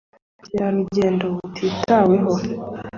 ariko ubukerarugendo butitabwaho